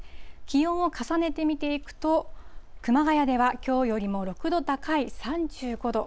気温を重ねて見ていくと、熊谷ではきょうよりも６度高い３５度。